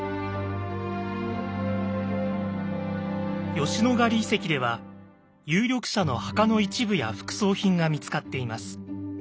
吉野ヶ里遺跡では有力者の墓の一部や副葬品が見つかっています。